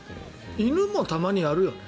犬もたまにやるよね。